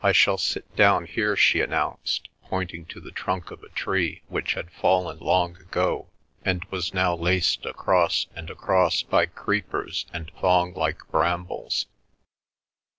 "I shall sit down here," she announced, pointing to the trunk of a tree which had fallen long ago and was now laced across and across by creepers and thong like brambles.